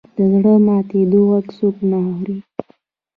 د زړه ماتېدو ږغ څوک نه اوري.